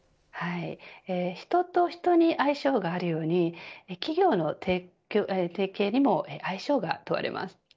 人と人に相性があるように企業の提携にも相性が問われます。